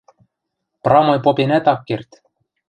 Прамой попенӓт ак керд.